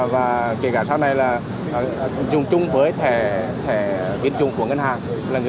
và kể cả sau này là dùng chung với thẻ tiến trung của ngân hàng